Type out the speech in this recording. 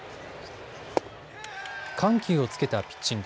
緩急をつけたピッチング。